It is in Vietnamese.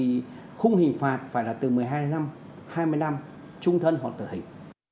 thì khung hình phạt phải là từ một mươi hai năm hai mươi năm trung thân hoặc tử hình